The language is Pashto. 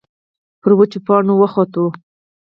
پر وچو پاڼو وخوت.